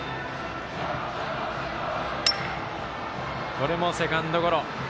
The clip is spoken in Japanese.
これもセカンドゴロ。